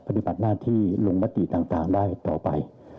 ปฏิบัติหน้าที่ลงมติต่างได้ต่อไป